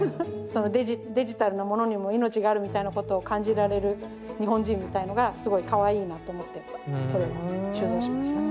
そのデジタルなものにも命があるみたいなことを感じられる日本人みたいのがすごいかわいいなと思ってこれも収蔵しました。